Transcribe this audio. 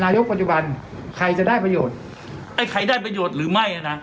ปัจจุบันใครจะได้ประโยชน์ไอ้ใครได้ประโยชน์หรือไม่นะ